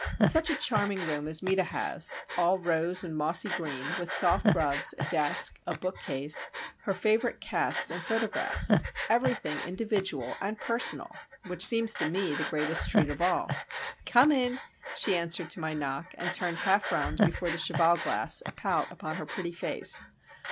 Such a charming room as Meta has,—all rose and mossy green, with soft rugs, a desk, a bookcase, her favourite casts and photographs! Everything individual and personal,—which seems to me the greatest treat of all. "Come in!" she answered to my knock, and turned half round before the cheval glass, a pout upon her pretty face.